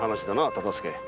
忠相。